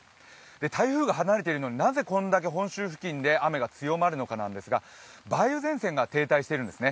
台風が離れているのに、なぜこれだけ本州付近で雨が強まるのかなんですが、梅雨前線が停滞しているんですね。